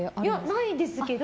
ないですけど。